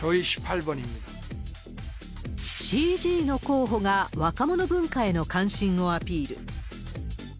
ＣＧの候補が若者文化への関心をアピール。